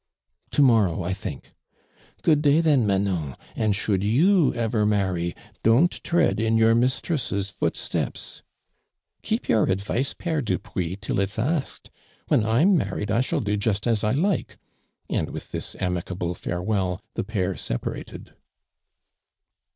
" To morrow, I think." " Good day, then, Manon, and should you ever marry, don't tread in your mistress' footsteps." "Keep your advice, pere Dupuis, till it's asked. When I'm married, I shall do just as I like," and with this amicably farewell Ihe pair separated.